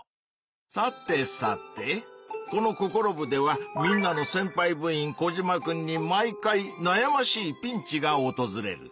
さてさてこの「ココロ部！」ではみんなのせんぱい部員コジマくんに毎回なやましいピンチがおとずれる。